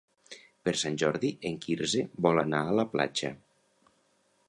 Per Sant Jordi en Quirze vol anar a la platja.